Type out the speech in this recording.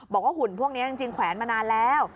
หุ่นพวกนี้จริงแขวนมานานแล้ว